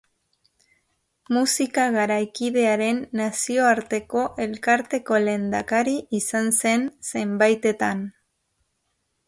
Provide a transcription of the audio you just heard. Musika Garaikidearen Nazioarteko Elkarteko lehendakari izan zen zenbaitetan.